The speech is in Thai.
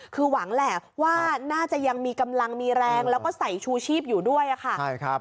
คือหวังแหละว่าน่าจะยังมีกำลังมีแรงแล้วก็ใส่ชูชีพอยู่ด้วยค่ะ